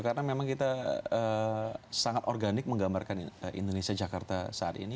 karena memang kita sangat organik menggambarkan indonesia jakarta saat ini